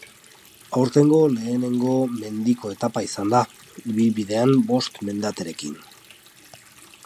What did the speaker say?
Aurtengo lehenengo mendiko etapa izan da, ibilbidean bost mendaterekin.